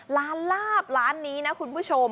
ลาบร้านนี้นะคุณผู้ชม